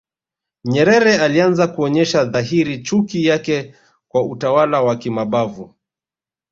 Nyerere alianza kuonyesha dhahiri chuki yake kwa utawala wa kimabavu